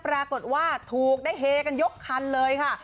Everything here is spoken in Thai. ปรากฏว่าถูกได้เฮกันยกคันเลยค่ะ